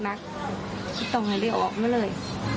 ไม่ต้องให้เรียกออกมาเลย